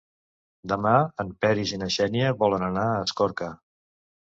Demà en Peris i na Xènia volen anar a Escorca.